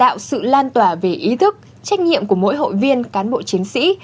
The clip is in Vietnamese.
đã góp sự lan tỏa về ý thức trách nhiệm của mỗi hội viên cán bộ chiến sĩ